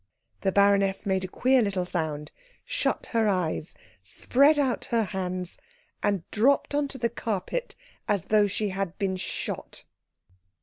The baroness made a queer little sound, shut her eyes, spread out her hands, and dropped on to the carpet as though she had been shot.